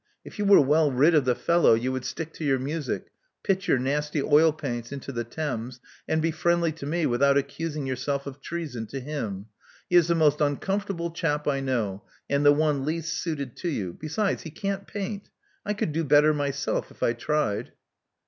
If you were well rid of the fellow, you would stick to your music; pitch your nasty oil paints into the Thames; and be friendly to me without accusing yourself of treason to him. He is the most uncomfortable chap I know, and the one least suited to you. Besides, he can't paint. I could do better myself, if I tried."